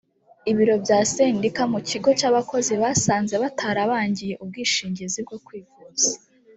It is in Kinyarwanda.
ibiro bya sendika mu kigo cya bakozi basanze batarabangiye ubwishingizi bwo kwivuza